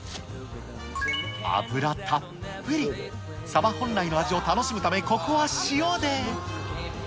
脂たっぷり、サバ本来の味を楽しむため、ここは塩で。